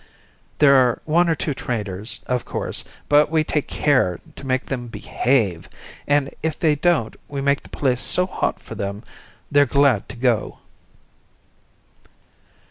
There are one or two traders, of course, but we take care to make them behave, and if they don't we make the place so hot for them they're glad to go."